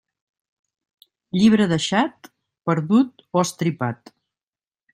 Llibre deixat, perdut o estripat.